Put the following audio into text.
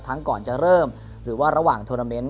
ก่อนจะเริ่มหรือว่าระหว่างโทรนาเมนต์